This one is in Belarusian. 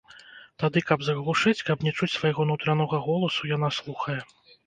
Тады, каб заглушыць, каб не чуць свайго нутранога голасу, яна слухае.